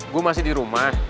gue masih di rumah